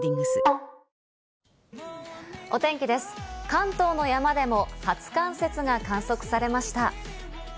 関東の山でも初冠雪が観測されました。